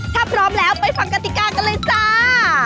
ถ้าพร้อมแล้วไปฟังกติกากันเลยจ้า